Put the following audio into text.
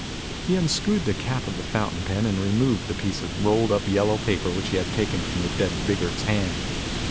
He unscrewed the cap of the fountain pen and removed the piece of rolled up yellow paper which he had taken from the dead Biggert's hand.